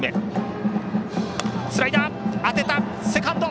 スライダー、当てた。